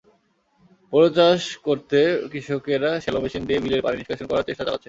বোরো চাষ করতে কৃষকেরা শ্যালো মেশিন দিয়ে বিলের পানিনিষ্কাশন করার চেষ্টা চালাচ্ছেন।